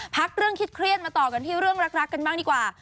พักเรื่องคิดเครียดมาต่อกันที่เรื่องรักกันบ้างดีกว่า